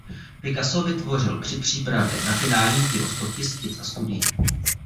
Picasso vytvořil při přípravě na finální dílo stovky skic a studií.